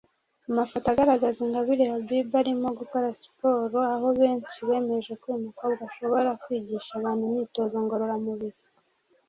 Amafoto agaragaza Ingabire Habiba arimo gukora Siporo aho benshi bemeje ko uyu mukobwa ashobora kwigisha abantu imyitozo ngororamubiri